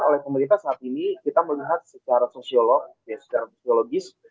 ya oleh pemerintah saat ini kita melihat secara sosiologis